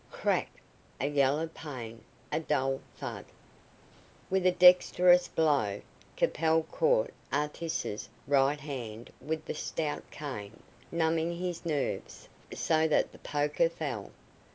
Crack! A yell of pain! A dull thud! With a dexterous blow, Capel caught Artis's right hand with the stout cane, numbing his nerves, so that the poker fell.